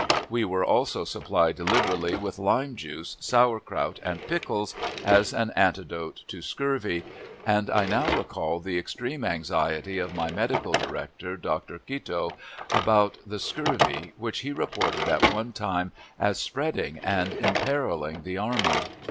We were also supplied liberally with lime juice, sauerkraut, and pickles, as an antidote to scurvy, and I now recall the extreme anxiety of my medical director, Dr. Kittoe, about the scurvy, which he reported at one time as spreading and imperiling the army.